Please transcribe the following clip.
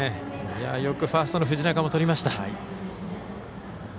よくファーストの藤中もとりました。